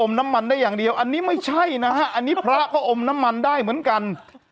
น้ำมันได้อย่างเดียวอันนี้ไม่ใช่นะฮะอันนี้พระก็อมน้ำมันได้เหมือนกัน